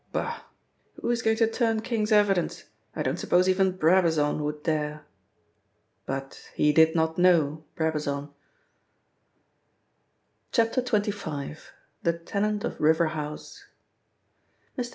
"Bah! Who is going to turn King's evidence? I don't suppose even Brabazon would dare." But he did not know Brabazon. XXV. — THE TENANT OF RIVER HOUSE MR.